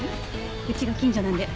うちが近所なんで。